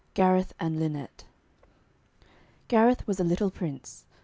GARETH AND LYNETTE Gareth was a little prince.